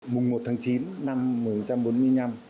mùng một tháng chín năm một nghìn chín trăm bốn mươi năm